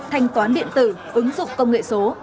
thanh toán điện tử ứng dụng công nghệ số